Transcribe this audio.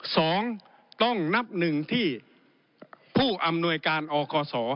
สองต้องนับหนึ่งที่ผู้อำนวยการอคศ